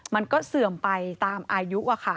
เสื่อมไปตามอายุ